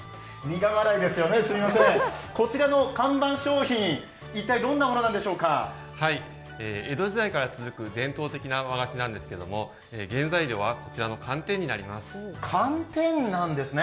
苦笑いですよね、すみませんこちらの看板商品、江戸時代から続く伝統的な和菓子なんですけど原材料はこちらの寒天になります。